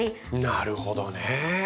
なるほどね。